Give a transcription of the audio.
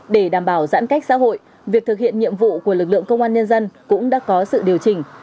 để đảm bảo giãn cách xã hội việc thực hiện nhiệm vụ của lực lượng công an nhân dân cũng đã có sự điều chỉnh